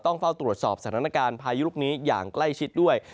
เฝ้าตรวจสอบสถานการณ์พายุลูกนี้อย่างใกล้ชิดด้วย